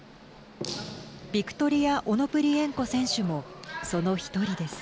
ビクトリア・オノプリエンコ選手もその１人です。